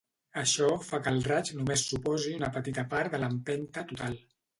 Això fa que el raig només suposi una petita part de l'empenta total.